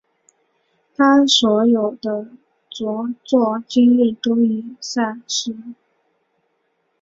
他所有的着作今日都已散失。